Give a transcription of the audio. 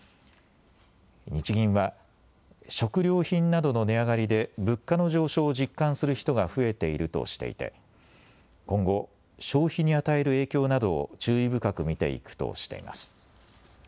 日銀は食料品などの値上がりで物価の上昇を実感する人が増えているとしていて今後、消費に与える影響などを注意深く見ていくとしています。